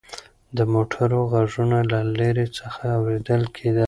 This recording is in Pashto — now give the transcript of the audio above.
د موټرو غږونه له لرې څخه اورېدل کېدل.